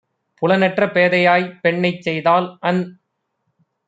புலன் அற்றபேதையாய்ப் பெண்ணைச்செய் தால்அந்